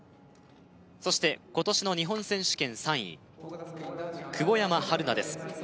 そして今年の日本選手権３位久保山晴菜です